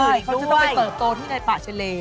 ใช่เขาจะต้องไปเติบโตที่ในป่าทะเล